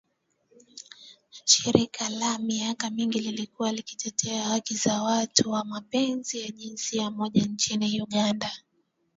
Shirika la kwa miaka mingi limekuwa likitetea haki za watu wa mapenzi ya jinsia moja nchini Uganda